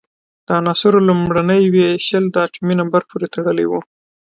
د عناصرو لومړنۍ وېشل د اتومي نمبر پورې تړلی وو.